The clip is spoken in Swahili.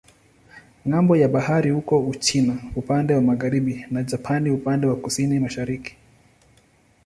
Ng'ambo ya bahari iko Uchina upande wa magharibi na Japani upande wa kusini-mashariki.